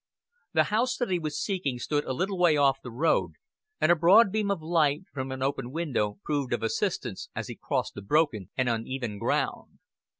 The house that he was seeking stood a little way off the road, and a broad beam of light from an open window proved of assistance as he crossed the broken and uneven ground.